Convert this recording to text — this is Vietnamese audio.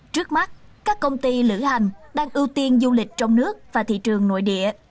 trước mắt các công ty lữ hành đang ưu tiên du lịch trong nước và thị trường nội địa